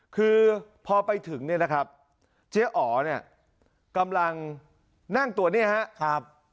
คือพอไปถึงเนี่ยนะครับเจ๊อ๋อเนี่ยกำลังนั่งตัวนี้ครับ